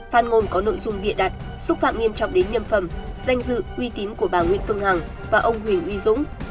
phát ngôn có nội dung bịa đặt xúc phạm nghiêm trọng đến nhân phẩm danh dự uy tín của bà nguyễn phương hằng và ông huỳnh uy dũng